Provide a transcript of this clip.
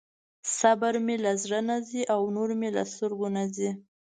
صبر مې له زړه نه ځي او نور مې له سترګې نه ځي.